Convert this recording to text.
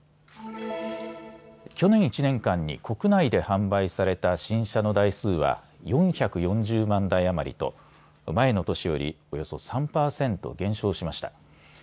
去年１年間に国内で販売された新車の台数は４４０万台余りと前の年よりおよそ３％減少しました。